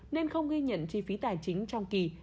nên không ghi nhận chi phí tài chính trong kỳ